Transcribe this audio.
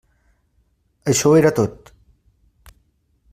Això era tot.